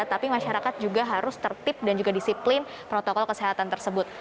tapi masyarakat juga harus tertib dan juga disiplin protokol kesehatan tersebut